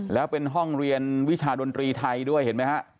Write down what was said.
แล้วเป็นห้องเรียนวิชาดนตรีไทยด้วยเห็นไหมฮะ